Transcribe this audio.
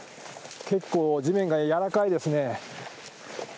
結構、地面が軟らかいですね。